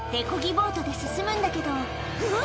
ボートで進むんだけどうわ